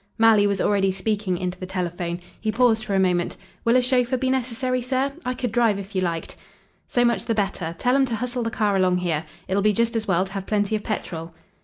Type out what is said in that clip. Malley was already speaking into the telephone. He paused for a moment. "Will a chauffeur be necessary, sir? I could drive if you liked." "So much the better. Tell 'em to hustle the car along here. It'll be just as well to have plenty of petrol."